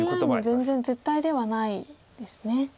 ＡＩも全然絶対ではないですね。